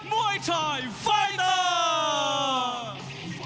มวยไทยไฟเตอร์